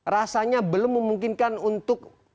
rasanya belum memungkinkan untuk